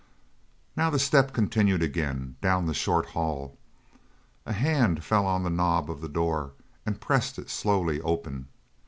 Now the step continued again, down the short hall. A hand fell on the knob of the door and pressed it slowly open.